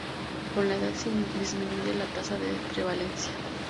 Con la edad disminuye la tasa de prevalencia.